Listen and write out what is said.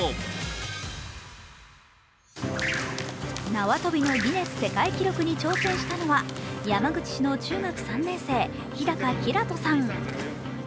縄跳びのギネス世界記録に挑戦したのは山口市の中学３年生、日高煌人さん。